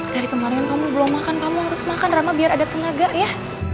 dari kemarin kamu belum makan kamu harus makan rama biar ada tenaga ya